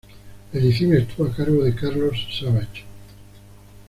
La edición estuvo a cargo de Carlos Savage.